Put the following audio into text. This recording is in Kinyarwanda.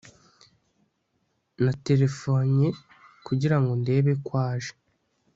Naterefonnye kugira ngo ndebe ko aje